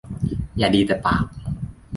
อย่าดีแต่ปาก